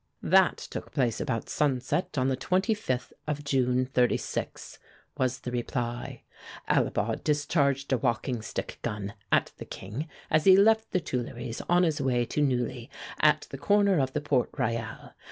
"That took place about sunset on the 25th of June, '36," was the reply. "Alibaud discharged a walking stick gun at the King, as he left the Tuileries, on his way to Neuilly, at the corner of the Porte Royale.